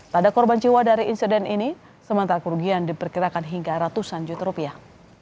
tak ada korban jiwa dari insiden ini sementara kerugian diperkirakan hingga ratusan juta rupiah